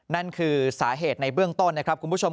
นั่นคือสาเหตุในเบื้องต้นนะครับคุณผู้ชม